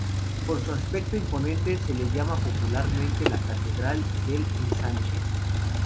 Por su aspecto imponente, se le llama popularmente la "Catedral del Ensanche".